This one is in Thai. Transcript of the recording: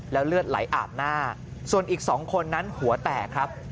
เลือดไหลอาบหน้าส่วนอีก๒คนนั้นหัวแตกครับ